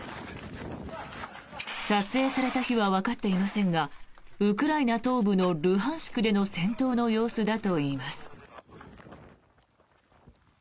撮影された日はわかっていませんがウクライナ東部のルハンシクでの戦闘の様子だといいます。